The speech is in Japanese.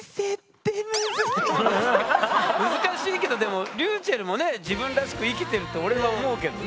難しいけどでもｒｙｕｃｈｅｌｌもね自分らしく生きてるって俺は思うけどね。